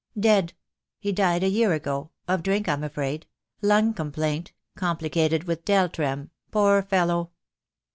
"Dead! He died a year ago — of drink, I'm afraid — lung complaint complicated with del. trem. Poor fellow!"